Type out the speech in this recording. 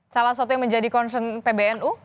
salah satu yang menjadi concern pbnu